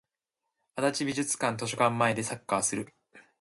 足立美術館図書館前でサッカーする